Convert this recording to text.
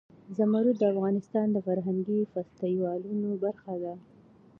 زمرد د افغانستان د فرهنګي فستیوالونو برخه ده.